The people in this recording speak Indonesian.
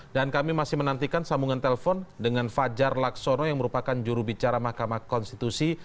dan kami masih menantikan sambungan telepon dengan fajar laksono yang merupakan jurubicara mahkamah konstitusi